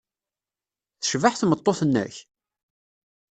Tecbeḥ tmeṭṭut-nnek?